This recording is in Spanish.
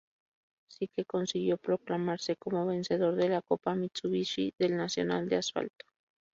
Sí que consiguió proclamarse como vencedor de la copa Mitsubishi del nacional de asfalto.